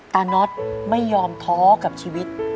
น็อตไม่ยอมท้อกับชีวิต